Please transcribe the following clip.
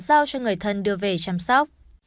giao cho người thân đưa về chăm sóc